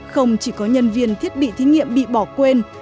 không chỉ có nhân viên thiết bị thí nghiệm bị bỏ quên